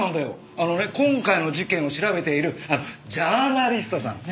あのね今回の事件を調べているジャーナリストさん。ね？